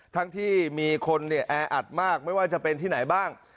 ทั้งที่มีคนแออัดมากไม่ว่าจะเป็นที่ไหนบ้าง